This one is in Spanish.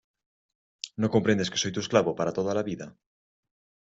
¿ no comprendes que soy tu esclavo para toda la vida?